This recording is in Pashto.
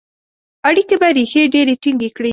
اړیکي به ریښې ډیري ټینګي کړي.